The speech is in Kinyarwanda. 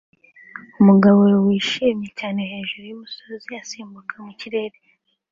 Umugabo wishimye cyane hejuru yumusozi usimbukira mu kirere